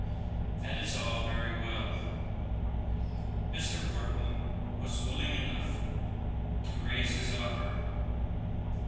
That was all very well. Mr. Wharton was willing enough to raise his offer.